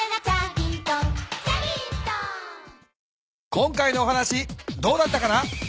今回のお話どうだったかな？